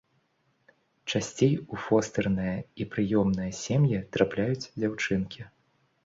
Часцей у фостэрныя і прыёмныя сем'і трапляюць дзяўчынкі.